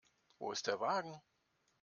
Wo ist der Wagen?